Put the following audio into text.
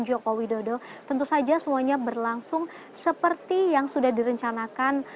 joko widodo tentu saja semuanya berlangsung seperti yang sudah direncanakan